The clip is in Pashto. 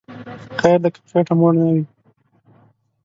خیر دی که په خیټه موړ نه وی